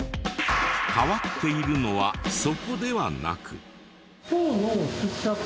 変わっているのはそこではなく。